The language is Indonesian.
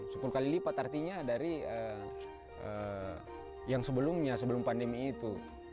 sepuluh kali lipat artinya dari yang sebelumnya sebelum pandemi itu